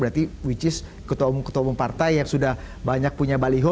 berarti ketua umum partai yang sudah banyak punya baliho